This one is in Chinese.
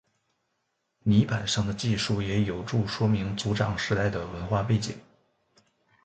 泥版上的记述也有助说明族长时代的文化背景。